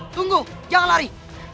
tunggu jangan lari